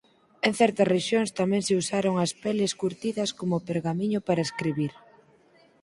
En certas rexións tamén se usaron as peles curtidas como pergamiño para escribir.